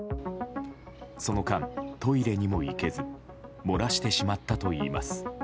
その間、トイレにも行けず漏らしてしまったといいます。